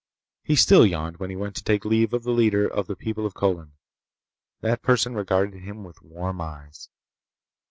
He still yawned when he went to take leave of the leader of the people of Colin. That person regarded him with warm eyes.